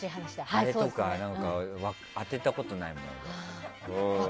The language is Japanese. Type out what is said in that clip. あれとか当てたことない、俺。